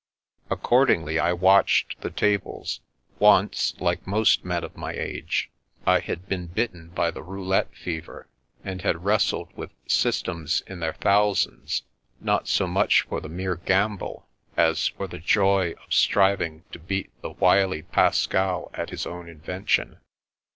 Accordingly I watched the tables. Once, like most men of my age, I had been bitten by the roulette fever and had wrestled with " systems " in their thousands, not so much for the mere " gamble," as for the joy of striving to beat the wily Pascal at his own invention.